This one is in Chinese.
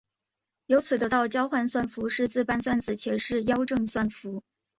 由此得到交换算符是自伴算子且是幺正算符。